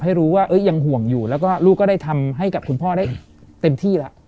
ให้รู้ว่ายังห่วงอยู่แล้วก็ลูกก็ได้ทำให้กับคุณพ่อได้เต็มที่แล้ว